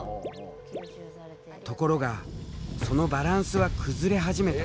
ところがそのバランスは崩れ始めた。